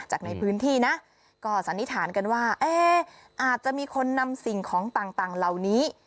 จากในพื้นที่นะก็สันนิษฐานกันว่าเอ๊ะอาจจะมีคนนำสิ่งของต่างเหล่านี้